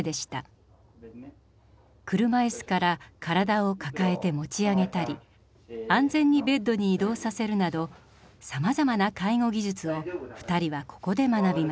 車いすから体を抱えて持ち上げたり安全にベッドに移動させるなどさまざまな介護技術を２人はここで学びました。